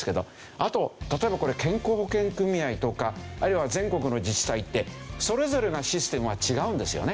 あと例えばこれ健康保険組合とかあるいは全国の自治体ってそれぞれがシステムは違うんですよね。